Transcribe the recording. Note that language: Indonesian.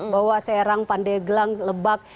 bahwa serang pandeglang lebak